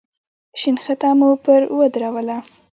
شنخته مو پر ودروله.